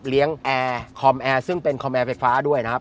แอร์คอมแอร์ซึ่งเป็นคอมแอร์ไฟฟ้าด้วยนะครับ